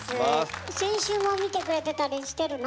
先週も見てくれてたりしてるの？